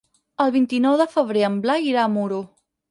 El vint-i-nou de febrer en Blai irà a Muro.